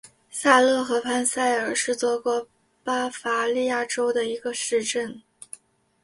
萨勒河畔萨尔是德国巴伐利亚州的一个市镇。